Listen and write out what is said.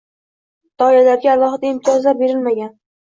Doyalarga alohida imtiyozlar berilmagan.